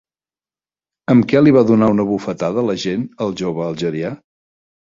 Amb què li va donar una bufetada l'agent al jove algerià?